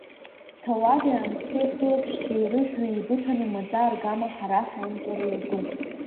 Ҭауади-аамсҭеи ахылаԥшцәеи рыжәҩа еибыҭаны, маӡа-аргама ҳара ҳаимҵәара иаҿуп.